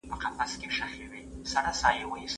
څراغ نه و لګېدلی.